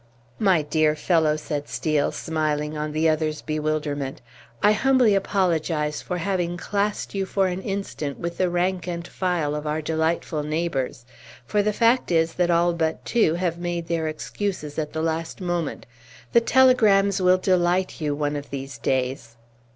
"My dear fellow," said Steel, smiling on the other's bewilderment, "I humbly apologize for having classed you for an instant with the rank and file of our delightful neighbors; for the fact is that all but two have made their excuses at the last moment. The telegrams will delight you, one of these days!"